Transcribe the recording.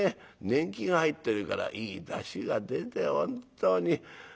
年季が入ってるからいいダシが出て本当に。